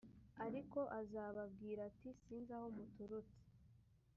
ariko azababwira ati sinzi aho muturutse .